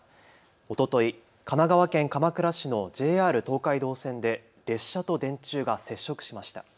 おととい、神奈川県鎌倉市のＪＲ東海道線で列車と電柱が接触しました。